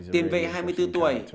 tiền vệ hai mươi bốn tuổi